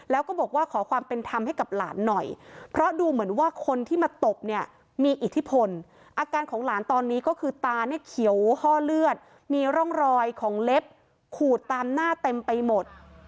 แล้วก็บอกว่าขอความเป็นธรรมให้กับหลานหน่อยเพราะดูเหมือนว่าคนที่มาตบเนี่ยมีอิทธิพลอาการของหลานตอนนี้ก็คือตาเนี่ยเขียวห้อเลือดมีร่องรอยของเล็บขูดตามหน้าเต็มไปหมด